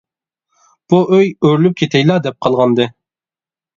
بۇ ئۆي ئۆرۈلۈپ كېتەيلا دەپ قالغانىدى.